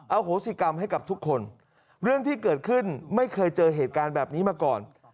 โหสิกรรมให้กับทุกคนเรื่องที่เกิดขึ้นไม่เคยเจอเหตุการณ์แบบนี้มาก่อน